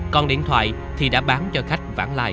còn điện thoại thì đã bán cho khách vãn lại